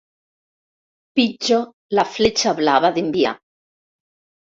Pitjo la fletxa blava d'enviar.